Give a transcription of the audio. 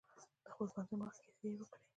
د خپل پوهنتون وخت کیسې یې وکړې.